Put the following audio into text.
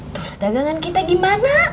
terus dagangan kita gimana